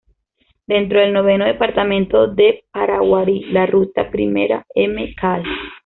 Dentro del noveno Departamento de Paraguarí, la ruta I Mcal.